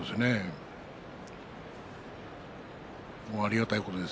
ありがたいことです。